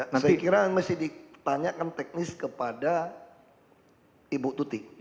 saya kira yang masih ditanyakan teknis kepada ibu tuti